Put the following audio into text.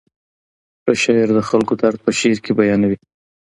ښه شاعر د خلکو درد په شعر کې بیانوي.